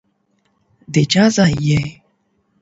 د چا زوی یې؟